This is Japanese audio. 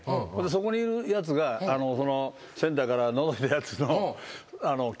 そこにいるやつがセンターからのぞいたやつの。